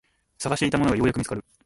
探していたものがようやく見つかる